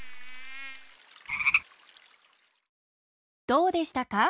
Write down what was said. どうでしたか？